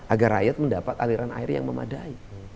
agar rakyat mendapat aliran air yang memadai